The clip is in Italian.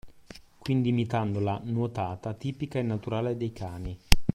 Quindi imitando la “nuotata” tipica e naturale dei cani.